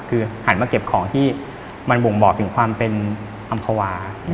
คือหันมาเก็บของที่มันบ่งบอกถึงความเป็นอำภาวา